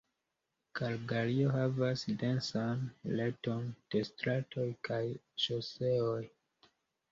Kalgario havas densan reton de stratoj kaj ŝoseoj.